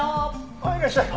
あっいらっしゃい。